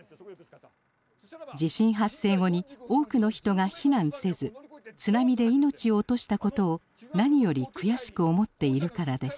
地震発生後に多くの人が避難せず津波で命を落としたことを何より悔しく思っているからです。